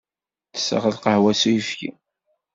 Tesseɣ lqahwa s uyefki.